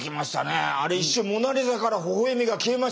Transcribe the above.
あれ一瞬「モナ・リザ」からほほ笑みが消えましたからね。